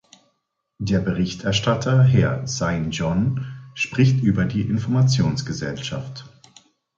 Der Berichterstatter Herr Sainjon spricht über die Informationsgesellschaft.